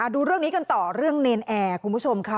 ดูเรื่องนี้กันต่อเรื่องเนรนแอร์คุณผู้ชมค่ะ